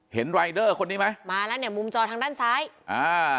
เห็นรายเดอร์คนนี้ไหมมาแล้วเนี่ยมุมจอทางด้านซ้ายอ่า